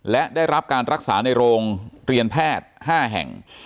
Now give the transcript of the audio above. และได้รับการรักษาในโรงเรียนแพทย์๕แห่ง